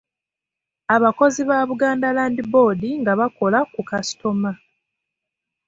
Abakozi ba Buganda Land Board nga bakola ku kasitoma.